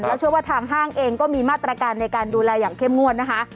แล้วเชื่อว่าทางห้างเองก็มีมาตรการในการดูแลอย่างเข้มงวดนะคะ